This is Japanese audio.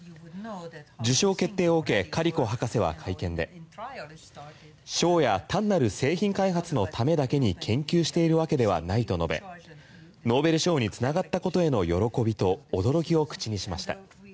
受賞決定を受けカリコ博士は会見で賞や単なる製品開発のためだけに研究しているわけではないと述べノーベル賞に繋がったことへの喜びと驚きを口にしました。